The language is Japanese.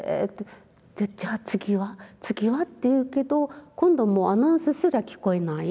じゃあ次は次はって言うけど今度はアナウンスすら聞こえない。